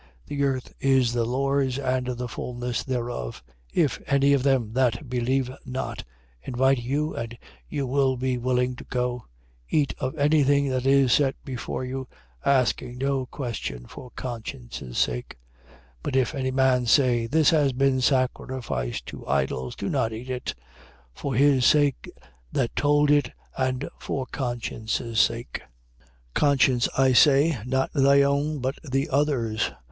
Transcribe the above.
10:26. The earth is the Lord's and the fulness thereof. 10:27. If any of them that believe not, invite you, and you be willing to go: eat of any thing that is set before you, asking no question for conscience' sake. 10:28. But if any man say: This has been sacrificed to idols: do not eat of it, for his sake that told it and for conscience' sake. 10:29. Conscience I say, not thy own, but the other's.